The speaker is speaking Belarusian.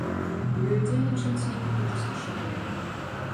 У ёй удзельнічаюць некалькі тысяч чалавек.